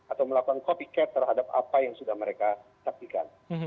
atau melakukan copycat terhadap apa yang sudah mereka taktikan